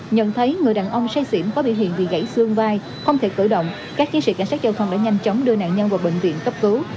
nhận thấy người đàn ông say xỉm có biểu hiện bị gãy xương vai không thể cử động các chiến sĩ cảnh sát giao thông đã nhanh chóng đưa nạn nhân vào bệnh viện cấp cứu